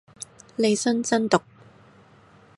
利申真毒